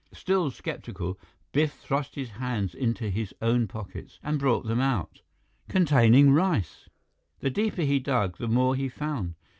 Still skeptical, Biff thrust his hands into his own pockets and brought them out containing rice! The deeper he dug, the more he found.